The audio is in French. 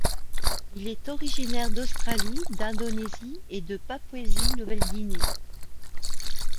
Il est originaire d'Australie, d'Indonésie et de Papouasie-Nouvelle-Guinée.